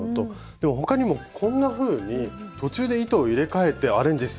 でも他にもこんなふうに途中で糸を入れかえてアレンジすることもできるんですよ。